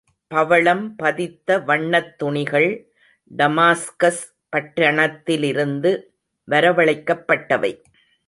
பவழம் பதித்த வண்ணத் துணிகள், டமாஸ்கஸ் பட்டணத்திலிருந்து வரவழைக்கப்பட்டவை.